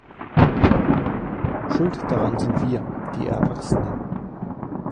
Schuld daran sind wir, die Erwachsenen.